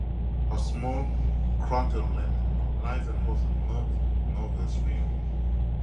A small craterlet lies across the north-northeast rim.